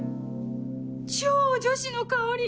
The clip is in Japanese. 超女子の香り！